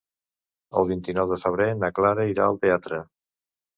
El vint-i-nou de febrer na Clara irà al teatre.